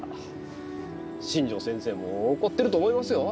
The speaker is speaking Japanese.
新城先生も怒ってると思いますよ？